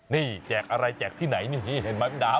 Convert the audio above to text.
นี่แจกอะไรแจกที่ไหนนี่เห็นไหมพี่ดาว